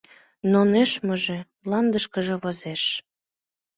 Но нӧшмыжӧ мландышке возеш...